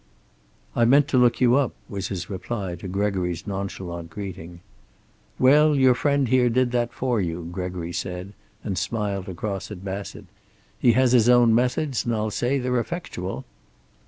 "I meant to look you up," was his reply to Gregory's nonchalant greeting. "Well, your friend here did that for you," Gregory said, and smiled across at Bassett. "He has his own methods, and I'll say they're effectual."